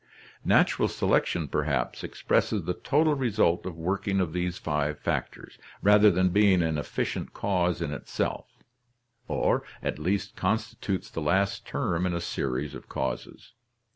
"Natural selection, perhaps, expresses the total result of the 170 ORGANIC EVOLUTION working of these five factors, rather than being an efficient cause in itself; or at least constitutes the last term in a series of causes.